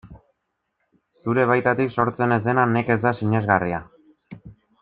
Zure baitatik sortzen ez dena nekez da sinesgarria.